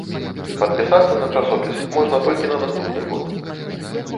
Падпісацца на часопіс можна толькі на наступны год.